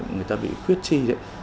người ta bị khuyết chi